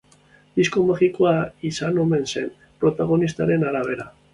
Disko magikoa izan omen zen, protagonisten arabera.